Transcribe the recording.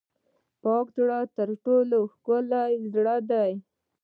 پاک زړه تر ټولو ښکلی زړه دی.